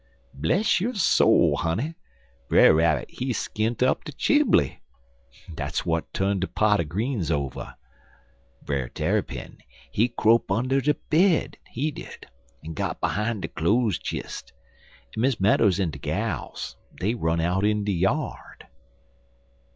"Bless yo' soul, honey! Brer Rabbit he skint up de chimbly dat's w'at turnt de pot er greens over. Brer Tarrypin, he crope under de bed, he did, en got behime de cloze chist, en Miss Meadows en de gals, dey run out in de yard.